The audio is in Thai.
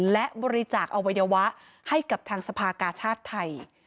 และบริจาคอวัยวะให้กับทางสภากาชาติไทย